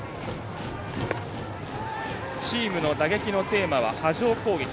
チームの打撃のテーマは「波状攻撃」。